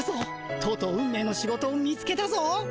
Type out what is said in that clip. とうとう運命の仕事を見つけたぞ。